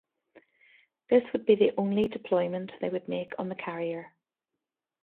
This would be the only deployment they would make on the carrier.